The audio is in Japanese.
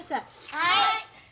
はい！